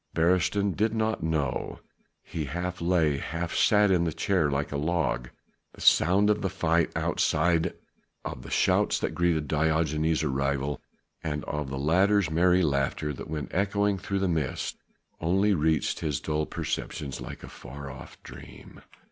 Beresteyn did not know; he half lay, half sat in the chair like a log, the sound of the fight outside, of the shouts that greeted Diogenes' arrival, of the latter's merry laughter that went echoing through the mist, only reached his dull perceptions like a far off dream.